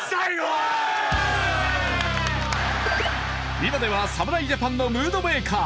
今では侍ジャパンのムードメーカー。